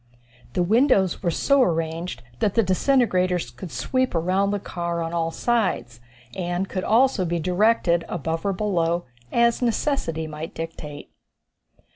The windows were so arranged that the disintegrators could sweep around the car on all sides, and could also be directed above or below, as necessity might dictate.